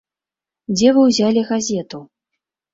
Дзе вы ўзялі газету?